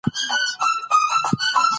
مرغۍ د وارث په غولکه وویشتل شوه.